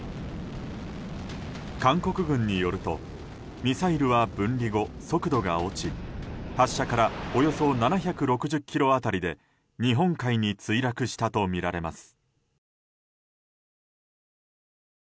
韓国軍によるとミサイルは分離後速度が落ち発射からおよそ７６０ｋｍ辺りで日本海に墜落したとみられます。